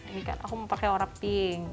ini kan aku mau pakai ora pink